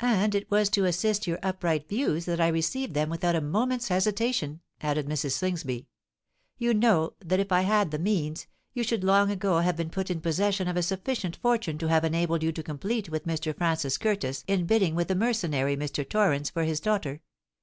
"And it was to assist your upright views that I received them without a moment's hesitation," added Mrs. Slingsby. "You know that if I had the means, you should long ago have been put in possession of a sufficient fortune to have enabled you to compete with Mr. Francis Curtis in bidding with the mercenary Mr. Torrens for his daughter.